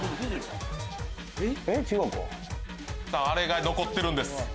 あれが残ってるんです。